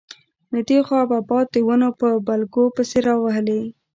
له دې خوا به باد د ونو په بلګو پسې راوهلې.